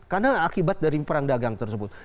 karena akibat dari perang dagang tersebut